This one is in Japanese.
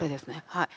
はい。